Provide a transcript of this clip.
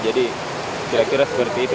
jadi kira kira seperti itu